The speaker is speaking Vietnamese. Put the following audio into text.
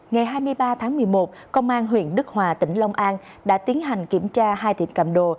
ngày hai mươi ba tháng một mươi một công an huyện đức hòa tỉnh long an đã tiến hành kiểm tra hai tiệm cầm đồ